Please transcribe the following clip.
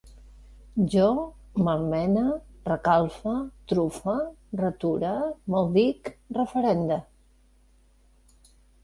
Jo malmene, recalfe, trufe, reture, maldic, referende